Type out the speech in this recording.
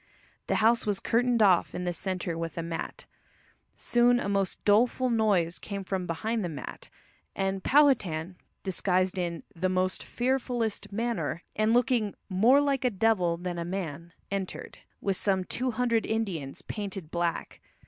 The house was curtained off in the centre with a mat. Soon a most doleful noise came from behind the mat, and Powhatan, disguised in "the most fearfullest manner," and looking "more like a devil than a man," entered, with some two hundred Indians, painted black.